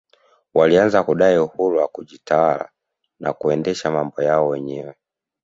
walianza kudai uhuru wa kujitawala na kuendesha mambo yao wenyewe